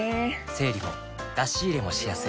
整理も出し入れもしやすい